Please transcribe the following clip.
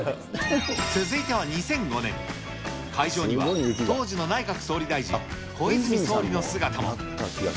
続いては２００５年、会場には、当時の内閣総理大臣、小泉総理の姿も。